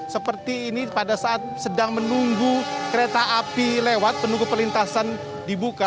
seperti ini pada saat sedang menunggu kereta api lewat penunggu perlintasan dibuka